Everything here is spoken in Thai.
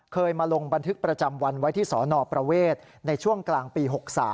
เคยมาลงบันทึกประจำวันไว้ที่สนประเวทในช่วงกลางปี๖๓